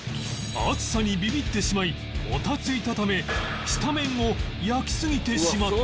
熱さにビビってしまいもたついたため下面を焼きすぎてしまった